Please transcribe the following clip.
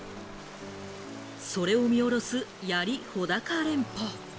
それを見下ろす、槍・穂高連峰。